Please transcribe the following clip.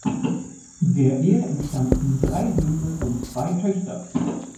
Der Ehe entstammten drei Söhne und zwei Töchter.